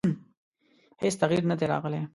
هېڅ تغیر نه دی راغلی.